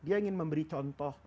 dia ingin memberi contoh